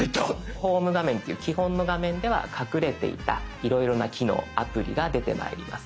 ホーム画面っていう基本の画面では隠れていたいろいろな機能アプリが出てまいります。